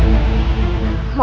tidak ada masalah